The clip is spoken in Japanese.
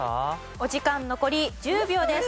お時間残り１０秒です。